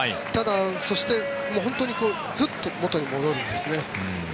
そして本当にフッと元に戻るんですね。